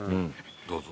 どうぞ。